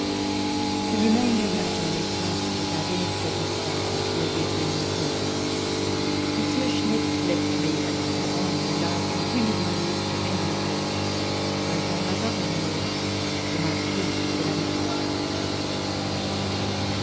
The remainder of my journey passed without any circumstances worthy of being reported. Monsieur Schnetz left me at Peronne, and I continued my route to Henencourt where I found my brother in law, the Marquis de Lameth.